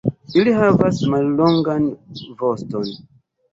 Ili havas mallongan voston.